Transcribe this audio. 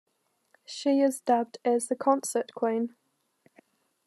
She is dubbed as the "Concert Queen".